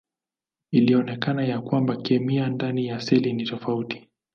Ilionekana ya kwamba kemia ndani ya seli ni tofauti.